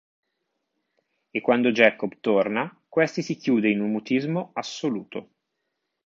E quando Jacob torna questi si chiude in un mutismo assoluto.